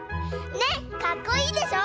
ねっかっこいいでしょ？